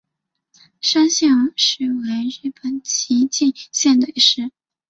山县市为日本岐阜县的市。